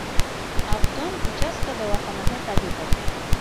Авдон участка дауаханаһы табибы.